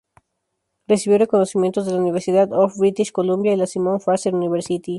Recibió reconocimientos de la University of British Columbia y la Simon Fraser University.